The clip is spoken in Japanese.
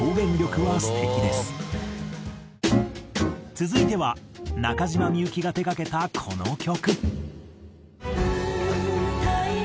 続いては中島みゆきが手がけたこの曲。